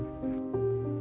amin ya allah